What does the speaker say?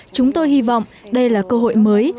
chúng tôi hy vọng đây là cơ hội mới